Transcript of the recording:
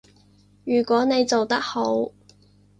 如果你做得好